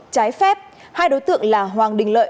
trái phép hai đối tượng là hoàng đình lợi